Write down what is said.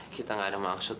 kita gak ada maksud